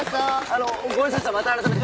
あのご挨拶はまたあらためて。